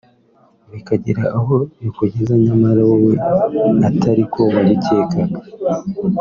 bikagira aho bikugeza nyamara wowe atariko wabicyekaga